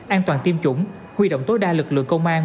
an toàn tiêm chủng huy động tối đa lực lượng công an